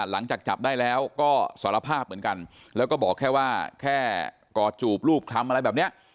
หลังจากจับได้แล้วก็สารภาพเหมือนกันแล้วก็บอกแค่ว่าแค่กอดจูบรูปคำอะไรแบบเนี้ย